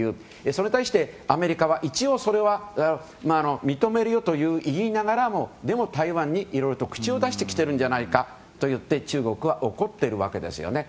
それに対してアメリカは一応それは認めるよと言いながらもでも、台湾にいろいろと口を出してきているんじゃないかと中国は怒っているわけですよね。